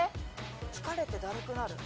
疲れてだるくなる？